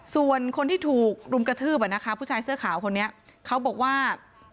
ส่วนคนที่ถูกรุมกระทืบผู้ชายเสื้อขาวคนนี้เขาบอกว่า